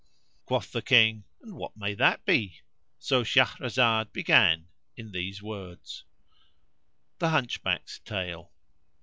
Quoth the King, "And what may that be?" So Shahrazad began, in these words,[FN#495] THE HUNCHBACK'S TALE.